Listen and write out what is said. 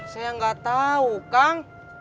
saya gak tau kang